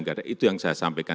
karena itu yang saya sampaikan